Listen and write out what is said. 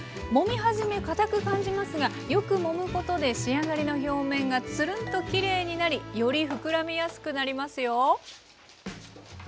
もみはじめかたく感じますがよくもむことで仕上がりの表面がつるんときれいになりより膨らみやすくなりますよ。